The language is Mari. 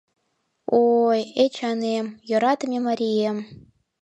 — Ой, Эчанем, йӧратыме марием!